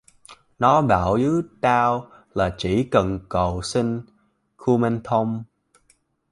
Nó bảo với tao là chỉ cần câù xin Kumanthong